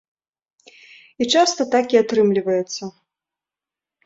І часта так і атрымліваецца.